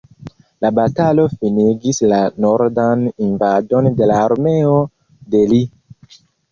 La batalo finigis la nordan invadon de la armeo de Lee.